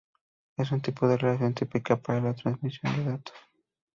Es un tipo de relación típica para la transmisión de datos.